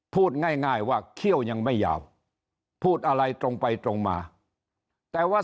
พูดง่ายว่าเขี้ยวยังไม่ยาวพูดอะไรตรงไปตรงมาแต่ว่า